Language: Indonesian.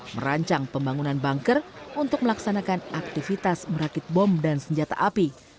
merancang pembangunan banker untuk melaksanakan aktivitas merakit bom dan senjata api